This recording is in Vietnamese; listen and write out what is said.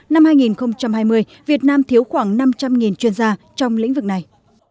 năm hai nghìn hai mươi việt nam thiếu khoảng năm trăm linh chuyên gia trong lĩnh vực này